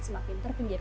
itu yang hanya sadar